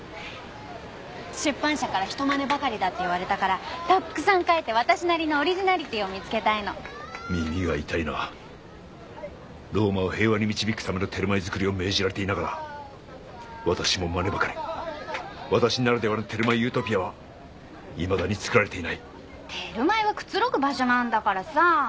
出版社から人マネばかりだって言われたからたっくさん描いて私なりのオリジナリティーを見つけたいの耳が痛いなローマを平和に導くためのテルマエ造りを命じられていながら私もマネばかり私ならではのテルマエ・ユートピアはいまだに造られていないテルマエはくつろぐ場所なんだからさあ